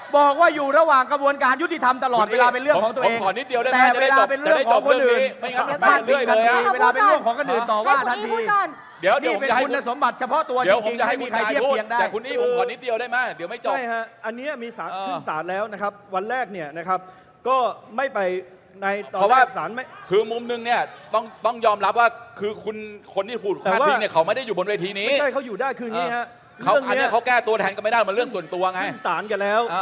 บอกว่าอยู่ระหว่างกระบวนการยุติธรรมตลอดเวลาเป็นเรื่องของตัวเองแต่เวลาเป็นเรื่องของคนอื่นไม่งั้นไปเรื่อยเลยครับ